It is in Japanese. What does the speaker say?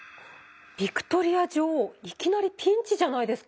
ヴィクトリア女王いきなりピンチじゃないですか！